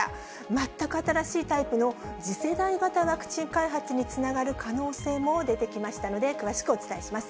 全く新しいタイプの、次世代型ワクチン開発につながる可能性も出てきましたので、詳しくお伝えします。